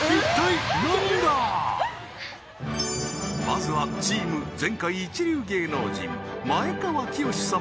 まずはチーム前回一流芸能人前川清様